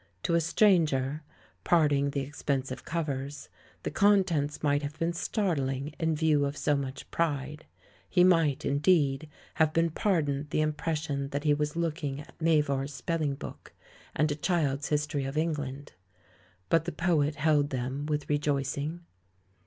To a stranger, parting the expensive THE LAURELS AND THE LADY 159 covers, the contents might have been startling in view of so much pride; he might, indeed, have been pardoned the impression that he was look ing at Mavor's Spelling Book, and a child's His tory of England; but the poet held them with rejoicing.